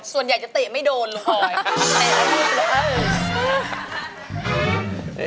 ส่วนใหญ่จะเตะไม่โดนเลย